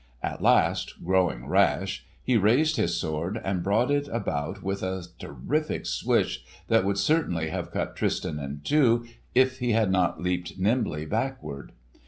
At last growing rash he raised his sword and brought it about with a terrific swish that would certainly have cut Tristan in two, if he had not leaped nimbly backward.